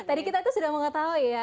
tadi kita kan sudah mengetahui ya